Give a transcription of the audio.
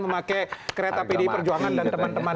memakai kereta pdi perjuangan dan teman teman